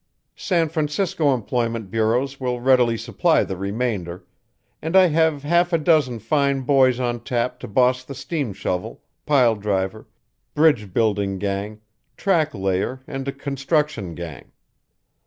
San Francisco employment bureaus will readily supply the remainder, and I have half a dozen fine boys on tap to boss the steam shovel, pile driver, bridge building gang, track layer and construction gang.